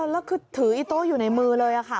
แล้วคือถืออีโต้อยู่ในมือเลยค่ะ